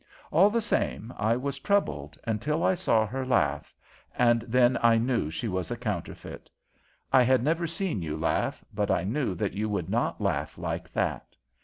All the same, I was troubled until I saw her laugh, and then I knew she was a counterfeit. I had never seen you laugh, but I knew that you would not laugh like that.